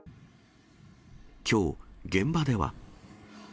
きょう、現場では。